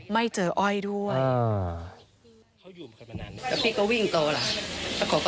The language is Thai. ไม่เจออ้อยด้วย